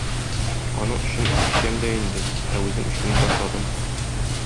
Аның өчен эчәм дә инде, ә үзем эчүне ташладым.